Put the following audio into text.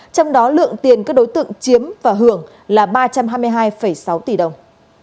trong đó lượng tiền các đối tượng chiếm và hưởng là ba trăm hai mươi hai sáu tỷ đồng